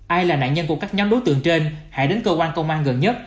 ai là nạn nhân của các nhóm đối tượng trên hãy đến cơ quan công an gần nhất